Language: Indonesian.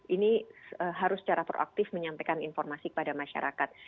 ini harus secara proaktif menyampaikan informasi kepada masyarakat